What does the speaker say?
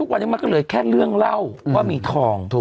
วันนี้มันก็เหลือแค่เรื่องเล่าว่ามีทอง